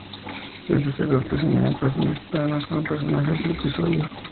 El sacerdote Simeón y la profetisa Ana son otros personajes del episodio.